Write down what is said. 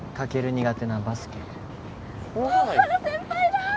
苦手なバスケ・大原先輩だ！